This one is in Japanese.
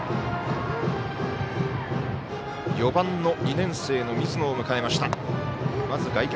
４番の２年生の水野を迎えました。